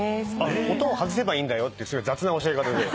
「音を外せばいいんだよ」って雑な教え方で。